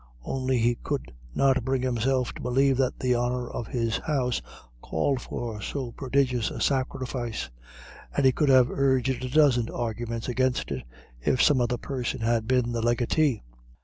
Only he could not bring himself to believe that the honour of his house called for so prodigious a sacrifice; and he could have urged a dozen arguments against it, if some other person had been the legatee.